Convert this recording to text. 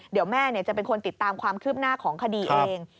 เดี๋ยวแม่จะเป็นคนติดตามความคืบหน้าของคดีเอง